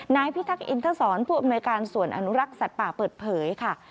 นายพิทักษอินทรศรผู้อำนวยการส่วนอนุรักษ์สัตว์ป่าเปิดเผยค่ะ